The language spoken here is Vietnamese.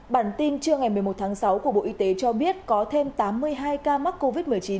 bản tin trưa ngày một mươi một tháng sáu của bộ y tế cho biết có thêm tám mươi hai ca mắc covid một mươi chín